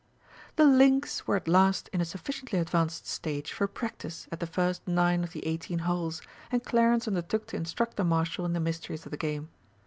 The links were at last in a sufficiently advanced stage for practice at the first nine of the eighteen holes, and Clarence undertook to instruct the Marshal in the mysteries of the game.